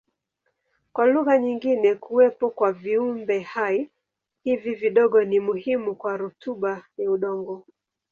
Kwa lugha nyingine kuwepo kwa viumbehai hivi vidogo ni muhimu kwa rutuba ya udongo.